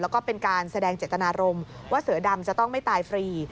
แล้วก็เป็นการแสดงเจตนารมณ์ว่าเสือดำจะต้องไม่ตายฟรี